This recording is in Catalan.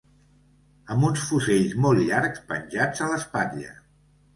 amb uns fusells molt llargs penjats a l'espatlla